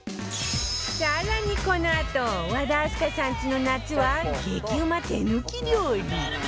更にこのあと和田明日香さんちの夏は激うま手抜き料理